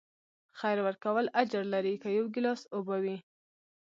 خیر ورکول اجر لري، که یو ګیلاس اوبه وي.